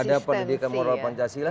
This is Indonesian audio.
ada pendidikan moral pancasila